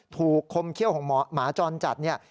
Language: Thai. คมเขี้ยวของหมาจรจัดเนี่ย